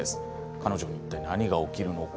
彼女にいったい何が起きるのか。